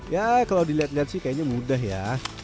ya kalau dilihat lihat sih kayaknya mudah ya